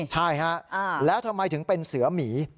ใช่ฮะแล้วทำไมถึงเป็นเสือหมี